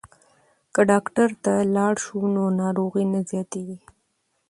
که ډاکټر ته لاړ شو نو ناروغي نه زیاتیږي.